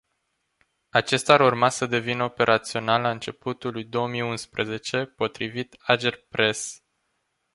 Acesta ar urma să devină operațional la începutul lui două mii unsprezece, potrivit Agerpres.